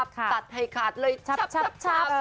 ตัดให้ขาดเลยชับ